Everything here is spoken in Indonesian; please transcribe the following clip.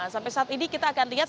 sampai saat ini kita akan lihat